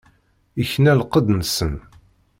Ikna lqedd-nsen.